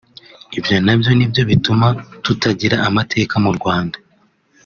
ibyo nabyo nibyo bituma tutagira amateka mu Rwanda